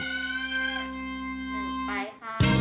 ไปครับ